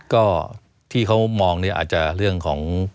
ก็ที่เขามองเนี่ยอาจจะเรื่องของ